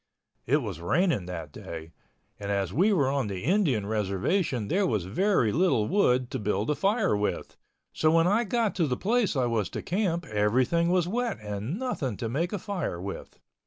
It was raining that day, and as we were on the Indian reservation there was very little wood to build a fire with, so when I got to the place I was to camp everything was wet and nothing to make a fire with.